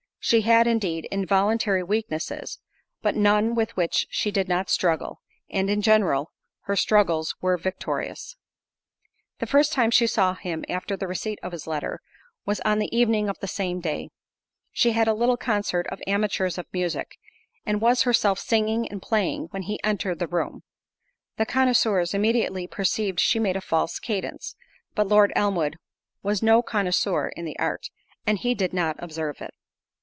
She had, indeed, involuntary weaknesses, but none with which she did not struggle, and, in general, her struggles were victorious. The first time she saw him after the receipt of his letter, was on the evening of the same day—she had a little concert of amateurs of music, and was herself singing and playing when he entered the room: the connoisseurs immediately perceived she made a false cadence—but Lord Elmwood was no connoisseur in the art, and he did not observe it.